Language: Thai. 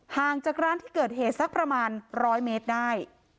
ห่างจากร้านที่เกิดเหตุสักประมาณ๑๐๐เมตรได้